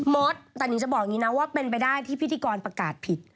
มดแต่นิงจะบอกอย่างนี้นะว่าเป็นไปได้ที่พิธีกรประกาศผิด